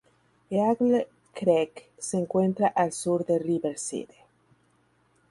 Eagle Creek se encuentra al sur de Riverside.